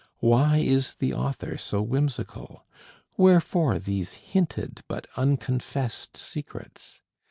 Why is the author so whimsical? Wherefore these hinted but unconfessed secrets?